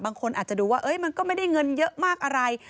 บางคนอาจจะดูว่ามันก็ไม่ได้เงินเยอะมากอะไร